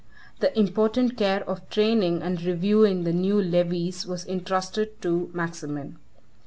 The important care of training and reviewing the new levies was intrusted to Maximin.